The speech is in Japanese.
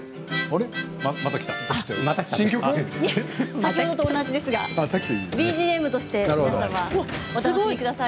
先ほどと同じですが ＢＧＭ としてお楽しみください。